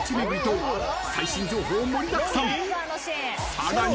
［さらに］